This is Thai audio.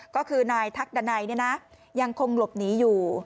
ก็คือนายทักดันัยยังคงหลบหนีอยู่